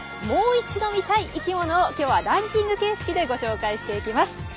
もう一度見たい生きものを今日はランキング形式でご紹介していきます。